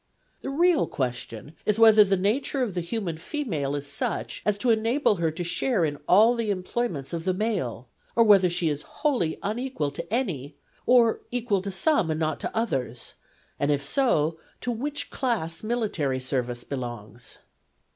The real question is whether the nature of the human female is such as to enable her to share in all the employments of the male, or whether she is wholly unequal to any, or equal to some and not to others ; and, if so, to which class military service belongs.